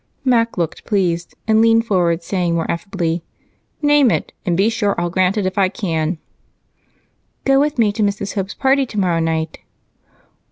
Mac looked pleased and leaned forward, saying more affably, "Name it, and be sure I'll grant it if I can." "Go with me to Mrs. Hope's party tomorrow night."